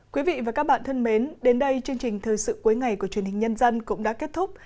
quý vị và các bạn thân mến đến đây chương trình thời sự cuối ngày của truyền hình nhân dân cũng đã kết thúc